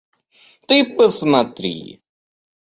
Ты посмотри.